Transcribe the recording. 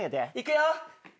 いくよ。